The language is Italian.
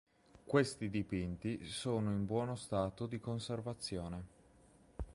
Questi dipinti sono in buono stato di conservazione.